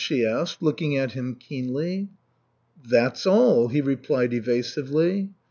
she asked, looking at him keenly. "That's all," he replied evasively.